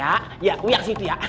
ayang kiki jangan panik ya